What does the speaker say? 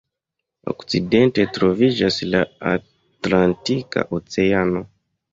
Okcidente troviĝas la Atlantika Oceano.